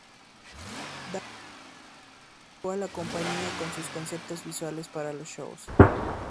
Daft Punk se acercó a la compañía con sus conceptos visuales para los shows.